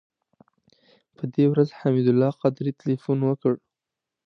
په دې ورځ حمید الله قادري تیلفون وکړ.